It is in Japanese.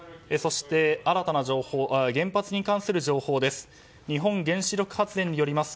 新たな情報原発に関する情報です。